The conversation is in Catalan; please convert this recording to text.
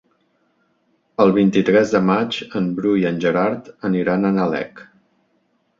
El vint-i-tres de maig en Bru i en Gerard aniran a Nalec.